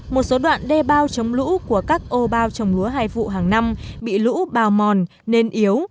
một số đoạn đe bao chống lũ của các ô bao chống lúa hải vụ hàng năm bị lũ bào mòn nên yếu